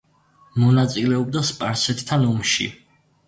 მონაწილეობდა სპარსეთთან ომში.